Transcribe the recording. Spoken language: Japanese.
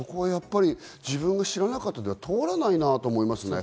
自分が知らなかったでは通らないと思いますね。